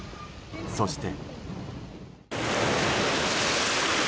そして。